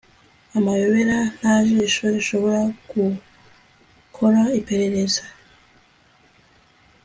amayobera, nta jisho rishobora gukora iperereza